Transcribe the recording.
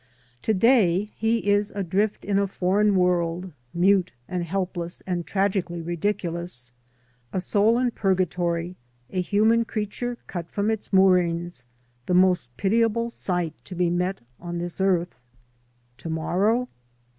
To day he is adrift in a foreign world, mute and helpless and tragi cally ridiculous — ^a soul in purgatory, a himian creature cut from its moorings, the most pitiable sight to be met on this earth. To morrow?